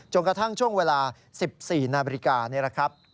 กระทั่งช่วงเวลา๑๔นาฬิกานี่แหละครับ